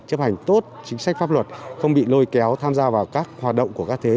chấp hành tốt chính sách pháp luật không bị lôi kéo tham gia vào các hoạt động của các thế